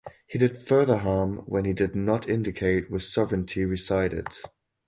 He did further harm when he did not indicate where sovereignty resided.